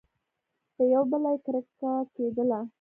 له یوه بله یې کرکه کېدله !